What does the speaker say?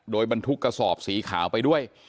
โดยบรรทุกกระสอบสีขาวไปด้วย